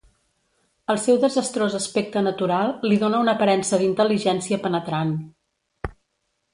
El seu desastrós aspecte natural li dóna una aparença d'intel·ligència penetrant.